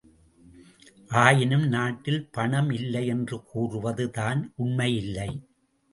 ஆயினும் நாட்டில் பணம் இல்லை என்று கூறுவது தான் உண்மையில்லை!